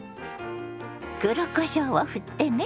黒こしょうをふってね。